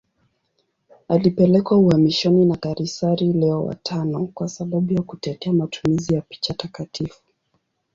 Alipelekwa uhamishoni na kaisari Leo V kwa sababu ya kutetea matumizi ya picha takatifu.